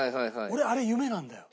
俺あれ夢なんだよ